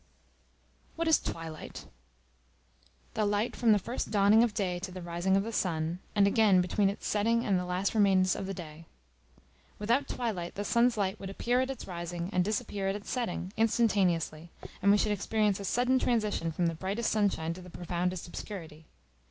What is Twilight? The light from the first dawning of day to the rising of the sun; and again between its setting and the last remains of day. Without twilight, the sun's light would appear at its rising, and disappear at its setting, instantaneously; and we should experience a sudden transition from the brightest sunshine to the profoundest obscurity.